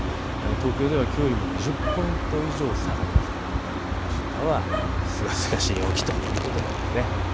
東京ではきょうよりも２０ポイント以上下がりますからあしたはすがすがしい陽気ということになります。